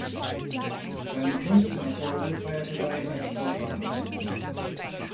Seine größten Erfolge feierte Seidel als Sportwagenpilot.